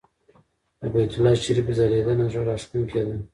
د بیت الله شریفه ځلېدنه زړه راښکونکې ده.